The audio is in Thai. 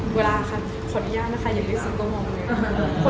เวลาขออนุญาตนะคะอย่าเลือกซิลก็มองดู